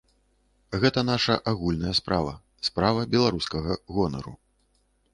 Гэта наша агульная справа, справа беларускага гонару.